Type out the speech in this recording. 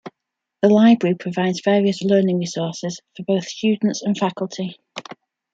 The library provides various learning resources for both students and faculty.